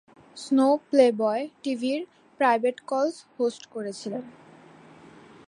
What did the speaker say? Snow Playboy টিভির "private calls" host করেছিলেন।